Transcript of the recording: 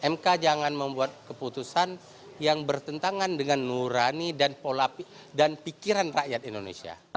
mk jangan membuat keputusan yang bertentangan dengan nurani dan pikiran rakyat indonesia